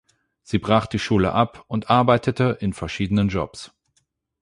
Sie brach die Schule ab und arbeitete in verschiedenen Jobs.